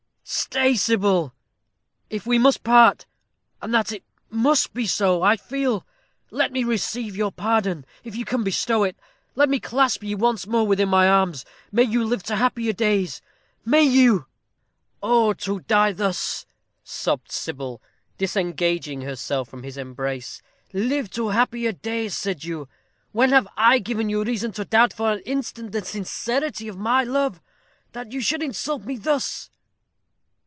Stay, Sybil! If we must part and that it must be so I feel let me receive your pardon, if you can bestow it. Let me clasp you once more within my arms. May you live to happier days may you " "Oh, to die thus!" sobbed Sybil, disengaging herself from his embrace. "Live to happier days, said you? When have I given you reason to doubt, for an instant, the sincerity of my love, that you should insult me thus?"